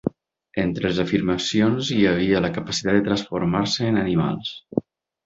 Entre les afirmacions hi havia la capacitat de transformar-se en animals.